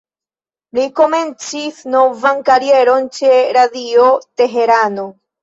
Li komencis novan karieron ĉe "Radio Teherano".